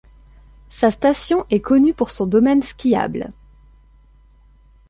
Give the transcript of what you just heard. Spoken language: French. Sa station est connue pour son domaine skiable.